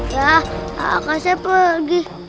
ya kakak chef pergi